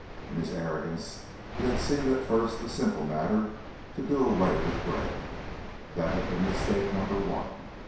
In his arrogance it had seemed at first a simple matter to do away with Gray. That had been mistake number one.